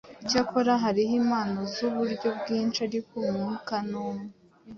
Icyakora, hariho impano z’uburyo bwinshi, ariko Umwuka ni umwe.